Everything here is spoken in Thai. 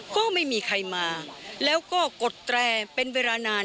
ก็ไม่มีใครมาแล้วก็กดแตรเป็นเวลานาน